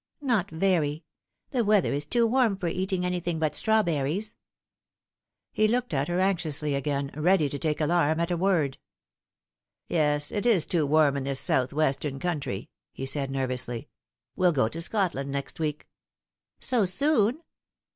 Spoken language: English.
" Not very. The weather is too warm for eating anything but strawberries. 1 ' He looked at her anxiously again, ready to take alarm at a word. " Yes, it is too warm in this south western country," he said nervously. " We'll go to Scotland next week." "So soon?"